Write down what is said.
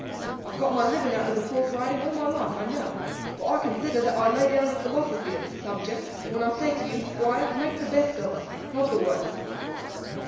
I've got my living out of the horthe riding all my life, I know; but I conthider that I lay down the philothophy of the thubject when I thay to you, Thquire, make the betht of uth: not the wurtht!